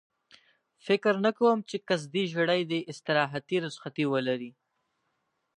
فکر نه کوم چې قصدي ژېړی دې استراحتي رخصتي ولري.